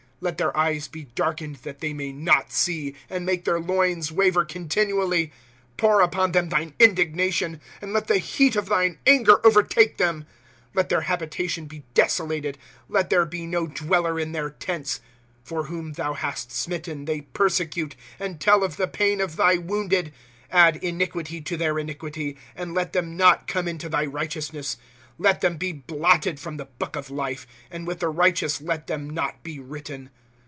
53 Let their eyes be darkened, that they may not see, And make their loins waver continually. 5* Pour upon them thine indignation, And let the heat of thine anger overtake them. ^^ Let their habitation be desolated, Let there be no dweller in their tents. 26 por vfhom thou hast smitten they persecute, And tell of the pain of thy wounded. " Add iniquity to their iniquity. And let them not come into thy righteousness. 5f! Let thera be blotted from the book of life, And with the righteous let them not be written.